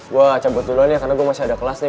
gue cabut dulu aja nih karena gue masih ada kelas nih